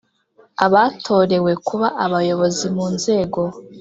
abatorewe kuba abayobozi mu nzego